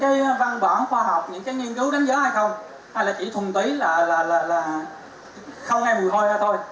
thì cứ việc đánh gió đó có những cái văn bản khoa học những cái nghiên cứu đánh gió hay không hay là chỉ thuần tí là không nghe mùi hôi đó thôi